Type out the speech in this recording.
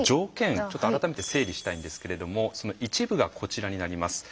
ちょっと改めて整理したいんですけれどもその一部がこちらになります。